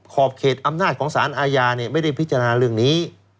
ขอบเขตอำนาจของสารอาญาไม่ได้พิจารณาเรื่องนี้